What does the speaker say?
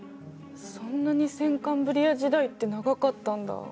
そんなに先カンブリア時代って長かったんだ。